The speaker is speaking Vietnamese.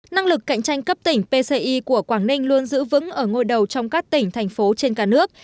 năng lực cạnh tranh cấp tỉnh pci của quảng ninh luôn giữ vững ở ngôi đầu trong các tỉnh thành phố trên cả nước